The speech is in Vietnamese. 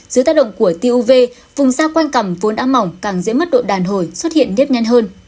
dưới tác động của tuv vùng da quanh cằm vốn ám mỏng càng dễ mất độ đàn hồi xuất hiện nếp nhăn hơn